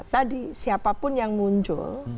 tadi siapapun yang muncul